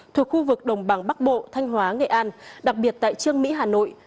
thuộc khu vực đồng bằng bắc bộ thanh hóa nghệ an đặc biệt tại trương mỹ hà nội